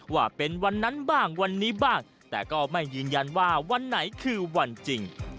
ว่าเป็นวันนั้นบ้างวันนี้บ้างแต่ก็ไม่ยืนยันว่าวันไหนคือวันจริง